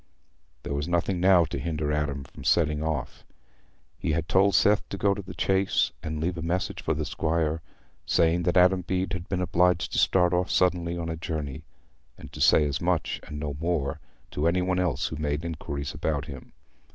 There was nothing now to hinder Adam from setting off. He had told Seth to go to the Chase and leave a message for the squire, saying that Adam Bede had been obliged to start off suddenly on a journey—and to say as much, and no more, to any one else who made inquiries about him.